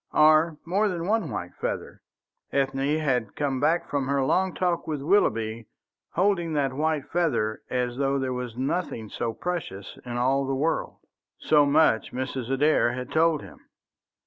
Or more than one white feather? Ethne had come back from her long talk with Willoughby holding that white feather as though there was nothing so precious in all the world. So much Mrs. Adair had told him.